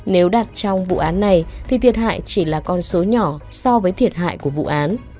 nếu đặt trong vụ án này thì thiệt hại chỉ là con số nhỏ so với thiệt hại của vụ án